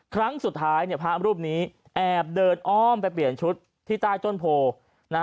ครั้งสุดท้ายเนี่ยพระรูปนี้แอบเดินอ้อมไปเปลี่ยนชุดที่ใต้ต้นโพลนะ